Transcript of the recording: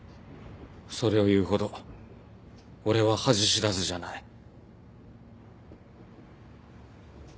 それを言うほど俺は恥知らずじゃない。